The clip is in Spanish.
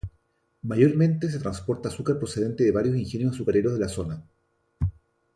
Mayormente se transporta azúcar procedente de varios ingenios azucareros de la zona.